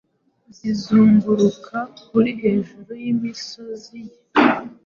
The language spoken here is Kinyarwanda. Zizunguruka kuri hejuru y'imisozi ye